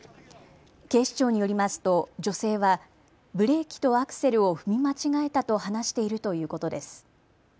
警視庁によりますと女性はブレーキとアクセルを踏み間違えたと話しているということです。